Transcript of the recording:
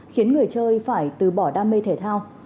khiến người chơi phải từ bỏ đam mê thể thao